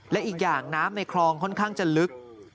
และอีกอย่างน้ำในคลองค่อนข้างจะลึก